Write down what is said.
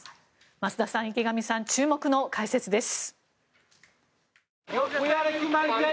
増田さん、池上さん注目の解説です。